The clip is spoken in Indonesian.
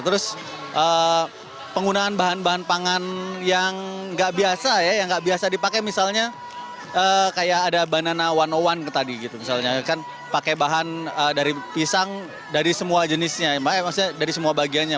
terus penggunaan bahan bahan pangan yang nggak biasa ya yang nggak biasa dipakai misalnya kayak ada banana satu tadi gitu misalnya kan pakai bahan dari pisang dari semua jenisnya dari semua bagiannya